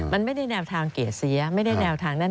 มันไม่ได้แนวทางเกดเสียไม่ได้แนวทางนั้น